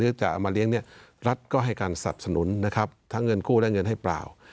จะเอามาเลี้ยงเนี่ยรัฐก็ให้การสับสนุนนะครับทั้งเงินกู้และเงินให้เปล่า